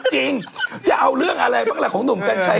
จริงจะเอาเรื่องอะไรบ้างล่ะของหนุ่มกัญชัย